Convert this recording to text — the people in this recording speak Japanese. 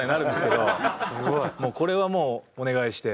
これはもうお願いして。